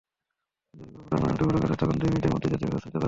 যদি কোনো দুর্ঘটনা ঘটে, তখন দুই মিনিটের মধ্যেই যাতে ব্যবস্থা নিতে পারে।